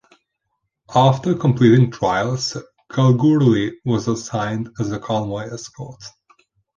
After completing trials, "Kalgoorlie" was assigned as a convoy escort.